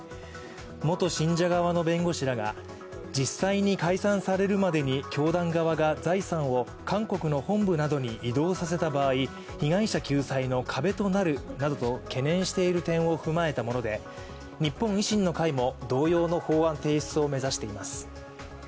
元信者側側の弁護士らが実際に解散されるまでに、教団側が財産を韓国の本部などに移動させた場合、被害者救済の壁となるなどと懸念している点を踏まえたもので、日本維新の会も同様の法案提出を目指しています。